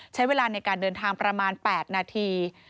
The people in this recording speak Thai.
ใช้เวลาในการเดินทางประมาณ๘นาที